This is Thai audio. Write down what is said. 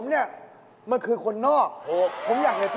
ล็อคแขนข้างเลย